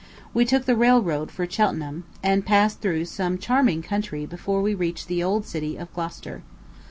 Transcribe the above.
We took the railroad for Cheltenham, and passed through some charming country before we reached the old city of Gloucester.